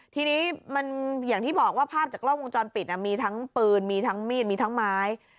ทีนี้มันอย่างที่บอกว่าภาพจากกล้องวงจรปิดมีทั้งปืนมีทั้งมีดมีทั้งไม้